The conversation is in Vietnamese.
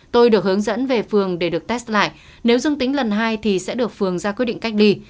tôi được hướng dẫn về phường để được test lại nếu dương tính lần hai thì sẽ được phường ra quyết định cách ly